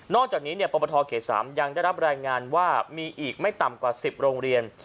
นอกจากนี้เนี่ยประมาทธอเขต๓ยังได้รับแรงงานว่ามีอีกไม่ต่ำกว่า๑๐โรงเรียน